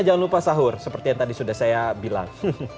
jangan lupa sahur seperti yang tadi sudah saya bilang